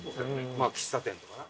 喫茶店とかな。